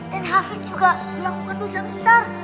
dan hafiz juga melakukan dosa besar